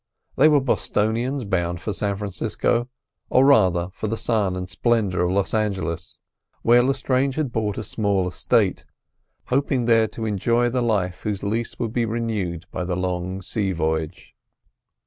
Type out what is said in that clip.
They were Bostonians, bound for San Francisco, or rather for the sun and splendour of Los Angeles, where Lestrange had bought a small estate, hoping there to enjoy the life whose lease would be renewed by the long sea voyage.